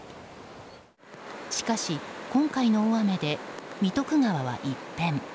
しかし今回の大雨で三徳川は一変。